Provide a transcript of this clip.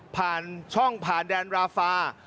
ผ่านช่องผ่านแดนราฟา